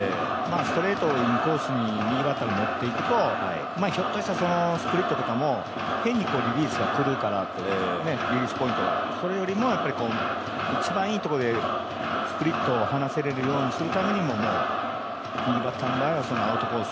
ですから、スプリットカーブだったりもう一つの変化球を考えたときにストレートをインコースに右バッターに持っていくとひょっとしたらスプリットとかも変にリリースが狂うからリリースポイント、そこよりも一番いいポイントでスプリットを離せるようにするためにも右バッターの場合はアウトコース